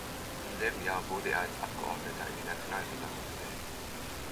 Im selben Jahr wurde er als Abgeordneter in die Nationalversammlung gewählt.